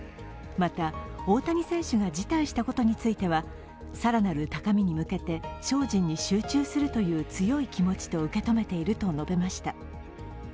また、大谷選手が辞退したことについては更なる高みに向けて精進に集中するという強い気持ちと受け止めていると述べました。